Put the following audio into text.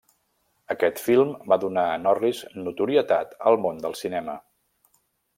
Aquest film va donar a Norris notorietat al món del cinema.